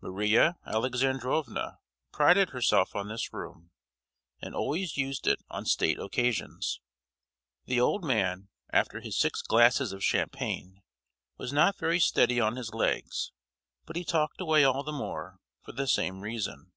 Maria Alexandrovna prided herself on this room, and always used it on state occasions. The old man, after his six glasses of champagne, was not very steady on his legs; but he talked away all the more, for the same reason.